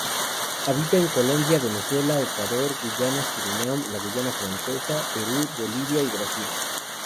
Habita en Colombia, Venezuela, Ecuador, Guyana, Surinam, la Guayana francesa, Perú, Bolivia y Brasil.